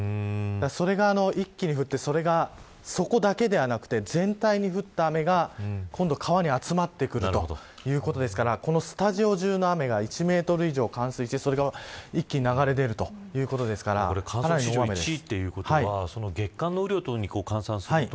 それが、一気に降ってそこだけではなくて全体に降った雨が今度は川に集まってくるということですからこのスタジオ中の雨が１メートル以上冠水してそれが一気に流れ出るということですからかなりの大雨です。